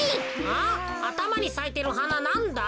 あたまにさいてるはななんだ？